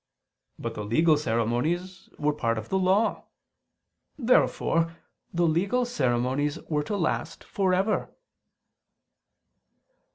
But the legal ceremonies were part of the Law. Therefore the legal ceremonies were to last for ever.